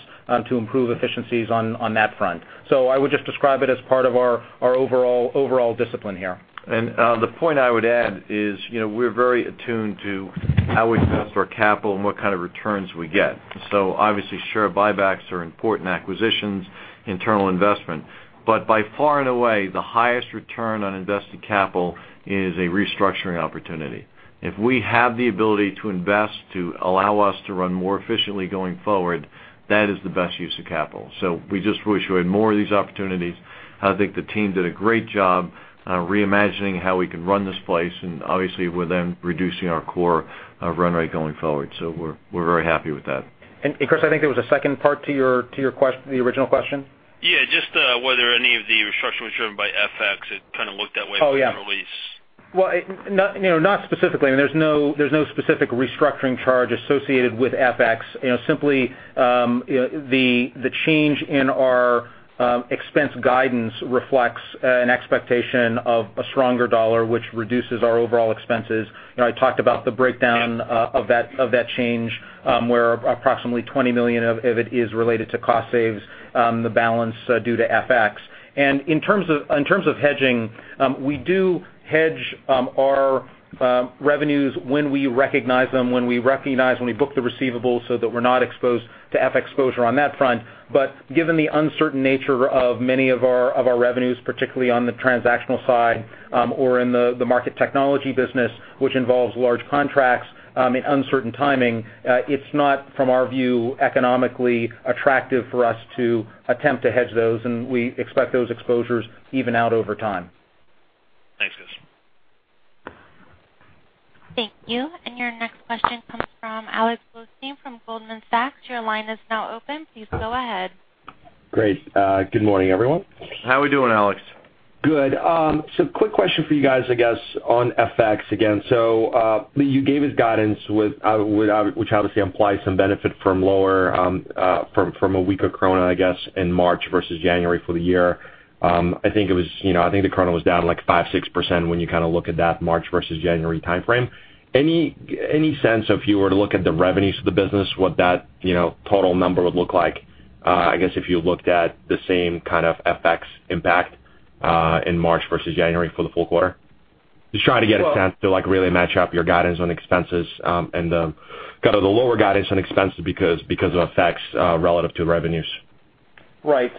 [SPEAKER 4] to improve efficiencies on that front. I would just describe it as part of our overall discipline here.
[SPEAKER 3] The point I would add is we're very attuned to how we invest our capital and what kind of returns we get. Obviously, share buybacks are important acquisitions, internal investment. By far and away, the highest return on invested capital is a restructuring opportunity. If we have the ability to invest to allow us to run more efficiently going forward, that is the best use of capital. We just wish we had more of these opportunities. I think the team did a great job reimagining how we can run this place, obviously we're then reducing our core run rate going forward. We're very happy with that.
[SPEAKER 4] Chris, I think there was a second part to the original question.
[SPEAKER 9] Just whether any of the restructuring was driven by FX. It kind of looked that way.
[SPEAKER 4] Yeah.
[SPEAKER 9] in the release.
[SPEAKER 4] Well, not specifically. There's no specific restructuring charge associated with FX. Simply the change in our expense guidance reflects an expectation of a stronger dollar, which reduces our overall expenses. I talked about the breakdown of that change where approximately $20 million of it is related to cost saves, the balance due to FX. In terms of hedging, we do hedge our revenues when we recognize them, when we book the receivables so that we're not exposed to FX exposure on that front. Given the uncertain nature of many of our revenues, particularly on the transactional side or in the market technology business, which involves large contracts and uncertain timing, it's not, from our view, economically attractive for us to attempt to hedge those, and we expect those exposures to even out over time.
[SPEAKER 9] Thanks, guys.
[SPEAKER 1] Thank you. Your next question comes from Alexander Blostein from Goldman Sachs. Your line is now open. Please go ahead.
[SPEAKER 10] Great. Good morning, everyone.
[SPEAKER 3] How we doing, Alex?
[SPEAKER 10] Good. Quick question for you guys, I guess, on FX again. You gave us guidance which obviously implies some benefit from a weaker krona, I guess, in March versus January for the year. I think the krona was down like 5%-6% when you look at that March versus January timeframe. Any sense if you were to look at the revenues of the business, what that total number would look like, I guess, if you looked at the same kind of FX impact in March versus January for the full quarter? Just trying to get a sense to really match up your guidance on expenses and the lower guidance on expenses because of FX relative to revenues.
[SPEAKER 4] Right.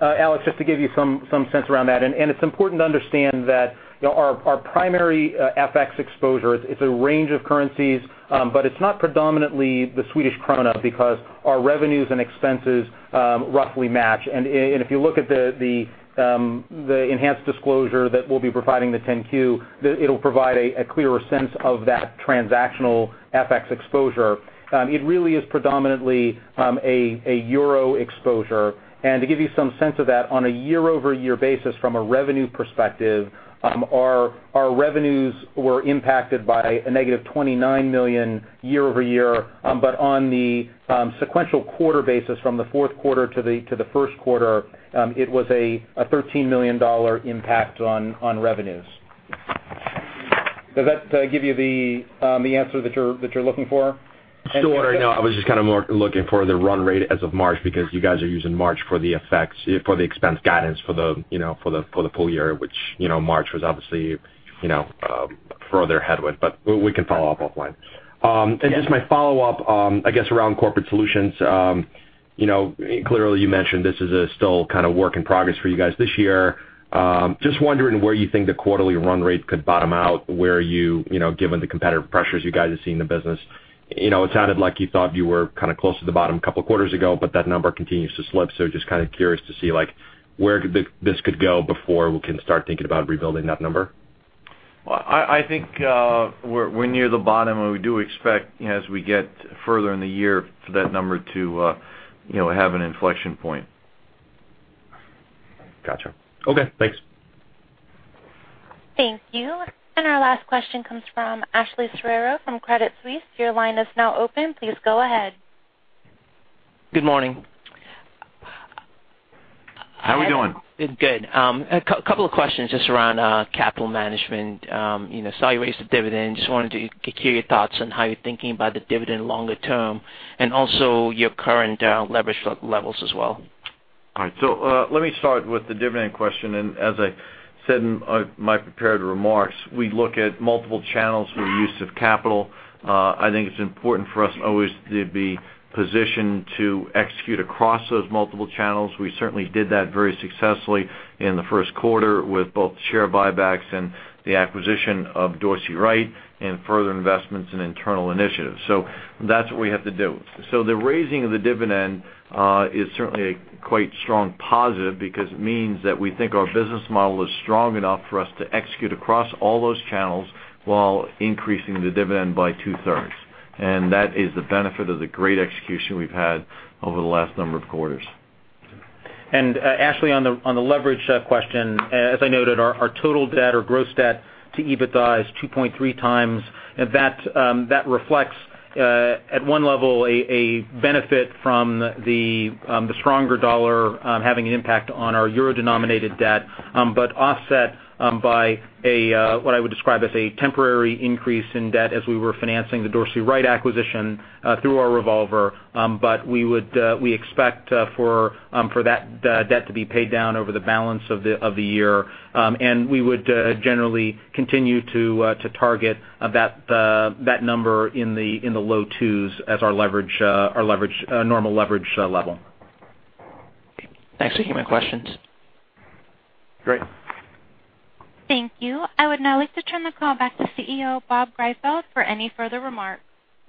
[SPEAKER 4] Alex, just to give you some sense around that, it's important to understand that our primary FX exposure, it's a range of currencies, but it's not predominantly the Swedish krona because our revenues and expenses roughly match. If you look at the enhanced disclosure that we'll be providing the 10-Q, it'll provide a clearer sense of that transactional FX exposure. It really is predominantly a EUR exposure. To give you some sense of that, on a year-over-year basis from a revenue perspective our revenues were impacted by a negative $29 million year-over-year. On the sequential quarter basis from the fourth quarter to the first quarter it was a $13 million impact on revenues. Does that give you the answer that you're looking for?
[SPEAKER 10] Sort of. No, I was just looking for the run rate as of March because you guys are using March for the FX, for the expense guidance for the full year, which March was obviously further ahead with. We can follow up offline.
[SPEAKER 4] Yeah.
[SPEAKER 10] My follow-up around corporate solutions. Clearly you mentioned this is still work in progress for you guys this year. I am just wondering where you think the quarterly run rate could bottom out, given the competitive pressures you guys are seeing in the business. It sounded like you thought you were close to the bottom a couple of quarters ago, but that number continues to slip, so curious to see where this could go before we can start thinking about rebuilding that number.
[SPEAKER 3] I think we're near the bottom. We do expect as we get further in the year for that number to have an inflection point.
[SPEAKER 10] Gotcha. Okay, thanks.
[SPEAKER 1] Thank you. Our last question comes from Ashley Serrao Garrett from Credit Suisse. Your line is now open. Please go ahead.
[SPEAKER 11] Good morning.
[SPEAKER 3] How we doing?
[SPEAKER 11] Good. A couple of questions just around capital management. I saw you raised the dividend, just wanted to hear your thoughts on how you're thinking about the dividend longer term and also your current leverage levels as well.
[SPEAKER 3] All right. Let me start with the dividend question. As I said in my prepared remarks, we look at multiple channels for use of capital. I think it's important for us always to be positioned to execute across those multiple channels. We certainly did that very successfully in the first quarter with both share buybacks and the acquisition of Dorsey Wright and further investments in internal initiatives. That's what we have to do. The raising of the dividend is certainly a quite strong positive because it means that we think our business model is strong enough for us to execute across all those channels while increasing the dividend by two-thirds. That is the benefit of the great execution we've had over the last number of quarters.
[SPEAKER 4] Ato Garrett, on the leverage question, as I noted, our total debt or gross debt to EBITDA is 2.3 times. That reflects, at one level, a benefit from the stronger dollar having an impact on our euro-denominated debt, but offset by a, what I would describe as, a temporary increase in debt as we were financing the Dorsey Wright acquisition through our revolver. We expect for that debt to be paid down over the balance of the year. We would generally continue to target that number in the low twos as our normal leverage level.
[SPEAKER 11] Thanks. Thank you. My questions.
[SPEAKER 3] Great.
[SPEAKER 1] Thank you. I would now like to turn the call back to CEO Robert Greifeld for any further remarks.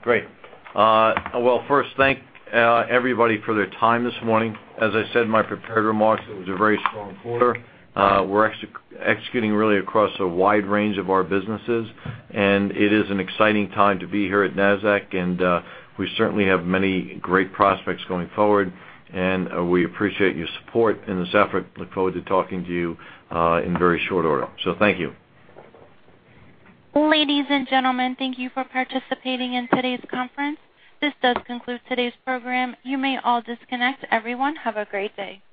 [SPEAKER 3] First, thank everybody for their time this morning. As I said in my prepared remarks, it was a very strong quarter. We're executing really across a wide range of our businesses. It is an exciting time to be here at Nasdaq. We certainly have many great prospects going forward, and we appreciate your support in this effort. Look forward to talking to you in very short order. Thank you.
[SPEAKER 1] Ladies and gentlemen, thank you for participating in today's conference. This does conclude today's program. You may all disconnect. Everyone, have a great day.